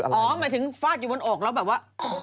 หมายถึงฟาดอยู่บนอกแล้วแบบว่า